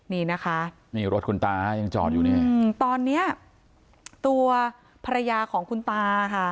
นี่นะคะนี่รถคุณตายังจอดอยู่นี่ตอนเนี้ยตัวภรรยาของคุณตาค่ะ